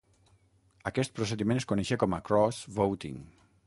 Aquest procediment es coneixia com a "cross-voting".